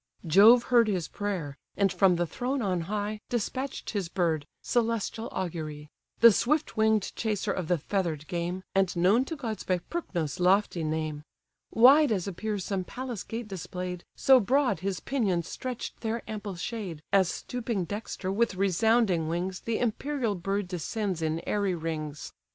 Jove heard his prayer, and from the throne on high, Despatch'd his bird, celestial augury! The swift wing'd chaser of the feather'd game, And known to gods by Percnos' lofty name. Wide as appears some palace gate display'd, So broad, his pinions stretch'd their ample shade, As stooping dexter with resounding wings The imperial bird descends in airy rings.